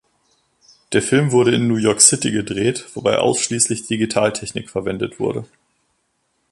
Der Film wurde in New York City gedreht, wobei ausschließlich Digitaltechnik verwendet wurde.